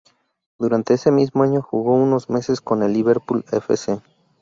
Durante ese mismo año jugó unos meses con el Liverpool F. C..